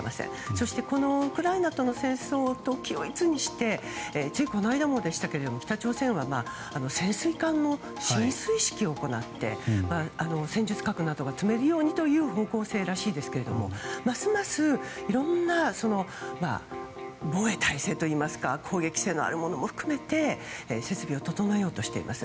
そして、ウクライナとの戦争と軌を一にしてついこの間もでしたが潜水艦の進水式を行って戦術核などが積めるようにという方向性らしいですけどますます、いろんな防衛体制といいますか攻撃性のあるものも含めて設備を整えようとしています。